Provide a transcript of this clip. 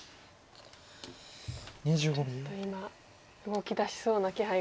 ちょっと今動き出しそうな気配が。